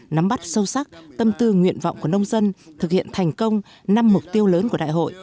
nắm bắt sâu sắc tâm tư nguyện vọng của nông dân thực hiện thành công năm mục tiêu lớn của đại hội